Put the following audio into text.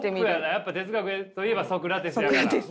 やっぱ哲学といえばソクラテスやから。